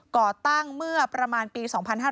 ก่อตั้งเมื่อประมาณปี๒๕๕๙